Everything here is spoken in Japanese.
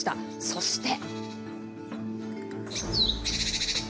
そして。